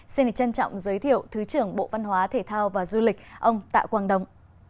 xin được trân trọng giới thiệu thứ trưởng bộ văn hóa thể thao và du lịch ông tạ quang đông